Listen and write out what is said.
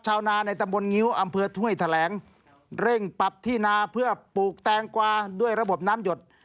ชาวนาในตำบลงิ้วอำเภอถ้วยแถลงเร่งปรับที่นาเพื่อปลูกแตงกวาด้วยระบบน้ำหยด